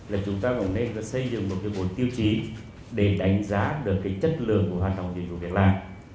là chúng ta cũng nên xây dựng một cái bộ tiêu chí để đánh giá được cái chất lượng của hoạt động dịch vụ việc làm